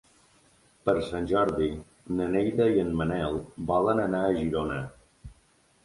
Per Sant Jordi na Neida i en Manel volen anar a Girona.